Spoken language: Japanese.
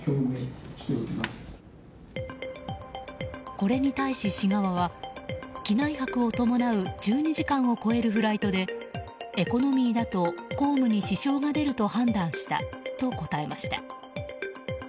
これに対し、市側は機内泊を伴う１２時間を超えるフライトでエコノミーだと公務に支障が出ると判断したと答えました。